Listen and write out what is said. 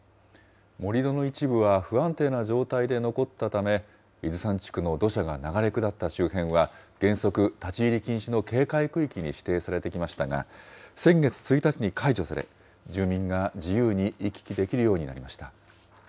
盛り土の一部は不安定な状態で残ったため、伊豆山地区の土砂が流れ下った周辺は原則立ち入り禁止の警戒区域に指定されてきましたが、先月１日に解除され、住民が自由に行き来できるようになりました。